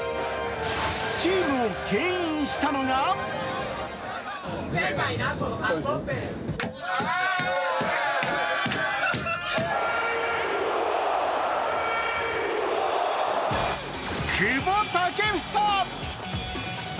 チームをけん引したのが久保建英！